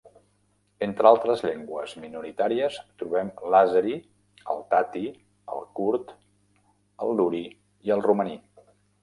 Entre altres llengües minoritàries trobem l'àzeri, el tati, el kurd, el luri i el romaní.